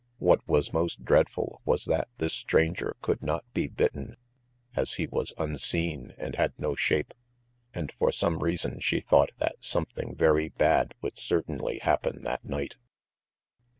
What was most dreadful was that this stranger could not be bitten, as he was unseen and had no shape. And for some reason she thought that something very bad would certainly happen that night.